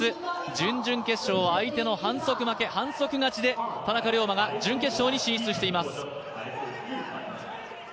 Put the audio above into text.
準々決勝は相手の反則負け、反則勝ちで田中龍馬が準決勝に進出しています。